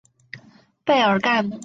贝尔盖姆。